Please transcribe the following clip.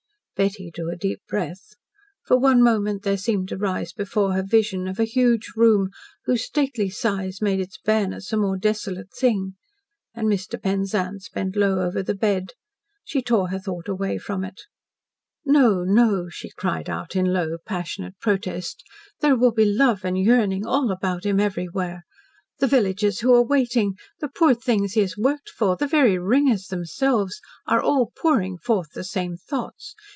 Betty drew a deep breath. For one moment there seemed to rise before her vision of a huge room, whose stately size made its bareness a more desolate thing. And Mr. Penzance bent low over the bed. She tore her thought away from it. "No! No!" she cried out in low, passionate protest. "There will be love and yearning all about him everywhere. The villagers who are waiting the poor things he has worked for the very ringers themselves, are all pouring forth the same thoughts.